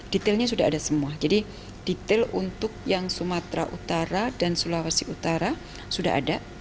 detailnya sudah ada semua jadi detail untuk yang sumatera utara dan sulawesi utara sudah ada